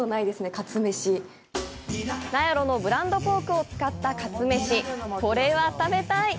名寄のブランドポークを使ったかつめしこれは食べたい！